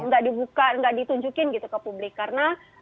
tidak ditunjukin ke publik karena